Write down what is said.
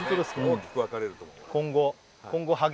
大きく分かれると思うあ